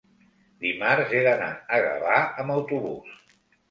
dimarts he d'anar a Gavà amb autobús.